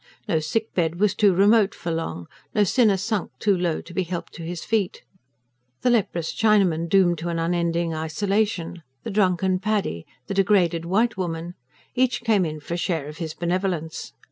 No sick bed was too remote for Long, no sinner sunk too low to be helped to his feet. The leprous Chinaman doomed to an unending isolation, the drunken Paddy, the degraded white woman each came in for a share of his benevolence.